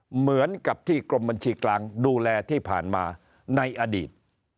เหมือนกับที่กรมบัญชีกลางดูแลที่ผ่านมาในอดีต